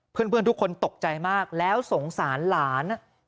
เพื่อนทุกคนตกใจมากแล้วสงสารหลาน